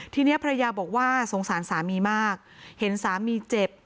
ทีนี้ภรรยาบอกว่าสงสารสามีมากเห็นสามีเจ็บ